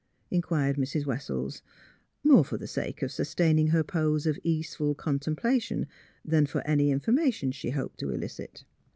" inquired Mrs. Wessels, more for the sake of sus taining her pose of easeful contemplation than for any information she hoped to elicit.